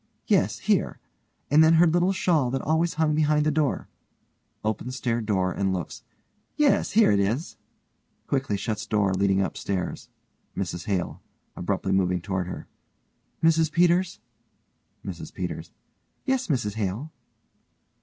Yes, here. And then her little shawl that always hung behind the door. (opens stair door and looks) Yes, here it is. (Quickly shuts door leading upstairs.) MRS HALE: (abruptly moving toward her) Mrs Peters? MRS PETERS: Yes, Mrs Hale?